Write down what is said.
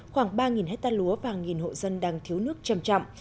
khoảng ba hectare lúa và một hộ dân đang thiếu nước chậm chậm